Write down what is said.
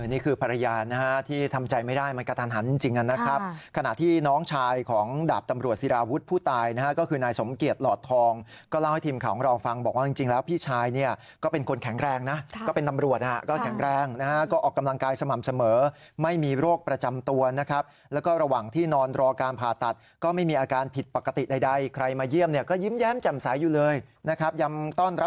นี่คือภรรยานะที่ทำใจไม่ได้มันกระทันหันจริงนะครับขณะที่น้องชายของดาบตำรวจศิราวุฒิผู้ตายก็คือนายสมเกียจหลอดทองก็เล่าให้ทีมของเราฟังบอกว่าจริงแล้วพี่ชายเนี่ยก็เป็นคนแข็งแรงนะก็เป็นตำรวจก็แข็งแรงนะก็ออกกำลังกายสม่ำเสมอไม่มีโรคประจำตัวนะครับแล้วก็ระหว่างที่นอนรอการผ่าต